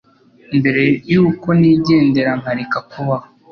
mbere y’uko nigendera nkareka kubaho